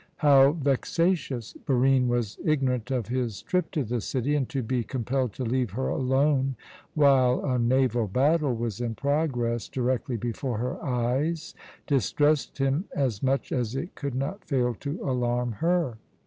How vexatious! Barine was ignorant of his trip to the city, and to be compelled to leave her alone while a naval battle was in progress directly before her eyes distressed him as much as it could not fail to alarm her.